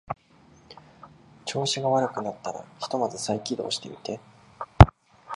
調子が悪くなったらひとまず再起動してみて